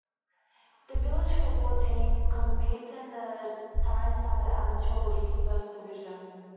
The village football team competes in the Tyneside Amateur League First Division.